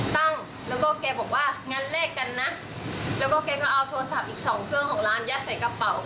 ตั้งแล้วก็แกบอกว่างั้นแลกกันนะแล้วก็แกก็เอาโทรศัพท์อีกสองเครื่องของร้านยัดใส่กระเป๋า